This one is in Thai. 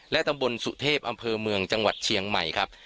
ตำบลสุเทพอำเภอเมืองจังหวัดเชียงใหม่ครับ